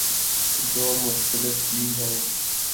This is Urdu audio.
جو مختلف بھی ہیں